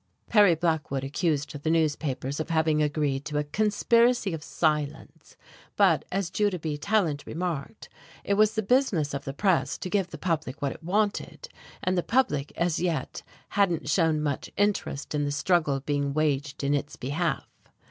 Perry Blackwood accused the newspapers of having agreed to a "conspiracy of silence"; but, as Judah B. Tallant remarked, it was the business of the press to give the public what it wanted, and the public as yet hadn't shown much interest in the struggle being waged in its behalf.